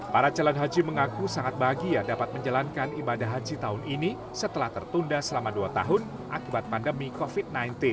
para calon haji mengaku sangat bahagia dapat menjalankan ibadah haji tahun ini setelah tertunda selama dua tahun akibat pandemi covid sembilan belas